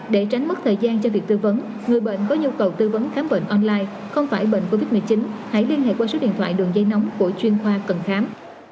để tránh mất thời gian cho việc tư vấn người bệnh có nhu cầu tư vấn khám bệnh online không phải bệnh covid một mươi chín hãy liên hệ qua số điện thoại đường dây nóng của chuyên khoa cần khám